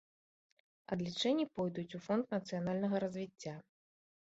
Адлічэнні пойдуць у фонд нацыянальнага развіцця.